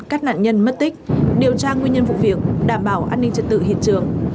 các nạn nhân mất tích điều tra nguyên nhân vụ việc đảm bảo an ninh trật tự hiện trường